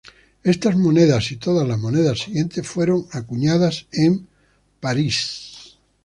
Estas monedas, y todas las monedas siguientes, fueron acuñadas en París.